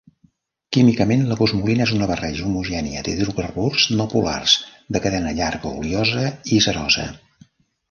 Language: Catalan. Químicament, la cosmolina és una barreja homogènia d'hidrocarburs no polars de cadena llarga oliosa i cerosa.